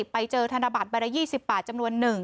ไปเจอธนบัตรใบละ๒๐บาทจำนวน๑